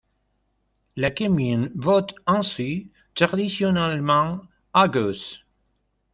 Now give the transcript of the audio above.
La commune vote ainsi traditionnellement à gauche.